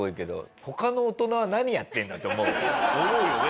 思うよね。